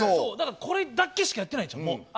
これだけしかやってないんちゃう。